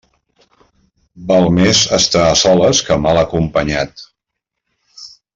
Val més estar a soles que mal acompanyat.